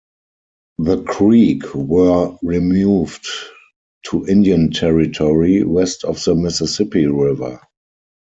The Creek were removed to Indian Territory west of the Mississippi River.